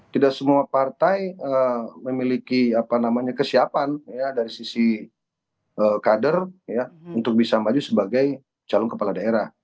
tidak semua partai memiliki kesiapan dari sisi kader untuk bisa maju sebagai calon kepala daerah